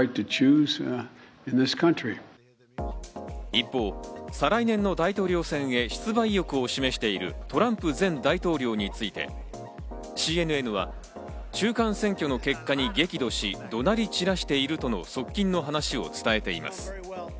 一方、再来年の大統領選へ出馬意欲を示しているトランプ前大統領についてＣＮＮは中間選挙の結果に激怒し、怒鳴り散らしているとの側近の話を伝えています。